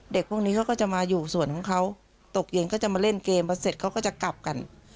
พวกนี้เขาก็จะมาอยู่ส่วนของเขาตกเย็นก็จะมาเล่นเกมพอเสร็จเขาก็จะกลับกัน